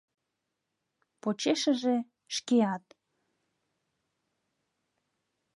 Почешыже — шкеат.